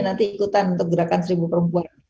nanti ikutan untuk gerakan seribu perempuan